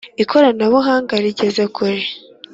ikoranabuhanga rigeze kure